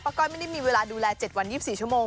ก้อยไม่ได้มีเวลาดูแล๗วัน๒๔ชั่วโมง